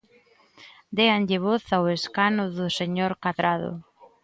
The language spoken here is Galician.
Déanlle voz ao escano do señor Cadrado.